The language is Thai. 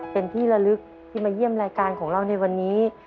เป็นที่ละลึกที่มาเยี่ยมรายการของเราในวันนี้